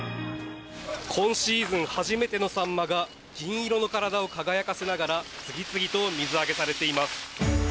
今シーズン初めてのサンマが銀色の体を輝かせながら次々と水揚げされています。